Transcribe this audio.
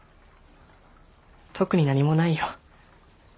特に何もないよ。